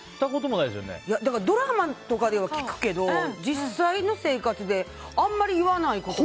ドラマとかでは聞くけど実際の生活であんまり言わないから。